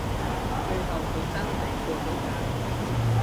最後佢真係過咗界